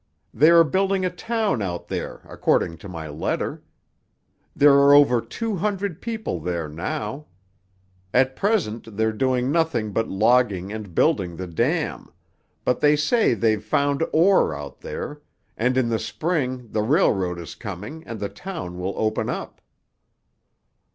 "They are building a town out there, according to my letter. There are over two hundred people there now. At present they're doing nothing but logging and building the dam; but they say they've found ore out there, and in the Spring the railroad is coming and the town will open up."